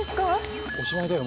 おしまいだよ